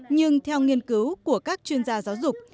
nhưng theo nghiên cứu của các chuyên gia giáo dục